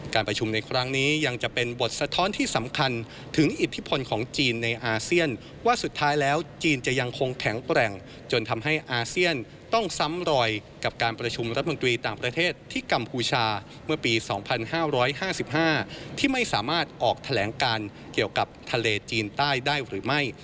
การประชุมในครั้งนี้ยังจะเป็นบทสะท้อนที่สำคัญถึงอิทธิพลของจีนในอาเซียนว่าสุดท้ายแล้วจีนจะยังคงแข็งแกร่งจนทำให้อาเซียนต้องซ้ำรอยกับการประชุมรัฐมนตรีต่างประเทศที่กัมพูชาเมื่อปี๒๕๕๕ที่ไม่สามารถออกแถลงการเกี่ยวกับทะเลจีนใต้ได้หรือไม่